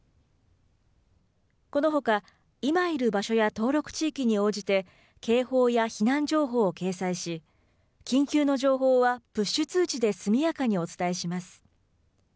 このほか今いる場所や登録地域に応じて警報や避難情報を掲載し緊急の情報はプッシュ通知で速やかにお伝えします。